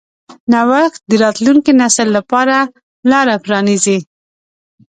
نوښت د راتلونکي نسل لپاره لاره پرانیځي.